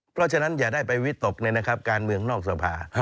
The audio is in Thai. เพราะฉะนั้นอย่าได้ไปวิตกเลยนะครับการเมืองนอกสภา